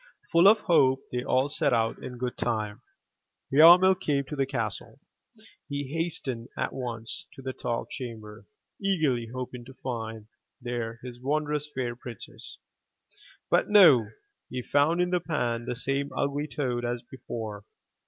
'' Full of hope they all set out and in good time Yarmil came to the castle. He hastened at once to the twelfth chamber, eagerly hoping to find there his wondrous fair princess; but no — ^he found in the pan the same ugly toad as before.